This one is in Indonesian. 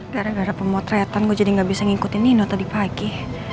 gara gara pemotretan gue jadi gak bisa ngikutin nino tadi pagi